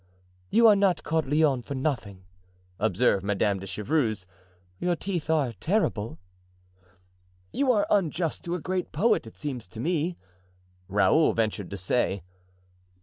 "You are not called 'Lionne' for nothing," observed Madame de Chevreuse, "your teeth are terrible." "You are unjust to a great poet, it seems to me," Raoul ventured to say.